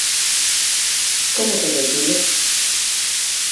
Como permitilo?